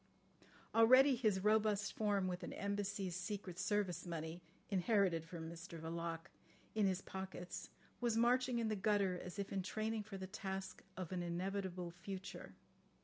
Already his robust form, with an Embassy's secret service money (inherited from Mr Verloc) in his pockets, was marching in the gutter as if in training for the task of an inevitable future.